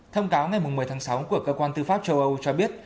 thông cáo ngày một mươi tháng sáu của cơ quan tư pháp châu âu cho biết